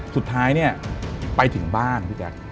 สุดท้ายไปถึงบ้านพี่แจ๊ก